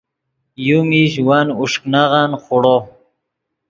یو میش ون اوݰک نغن خوڑو